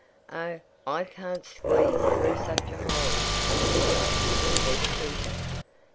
"Oh, I can't squeeze through such a small hole as this," said Peter.